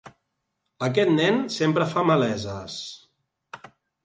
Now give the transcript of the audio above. Aquest nen sempre fa maleses.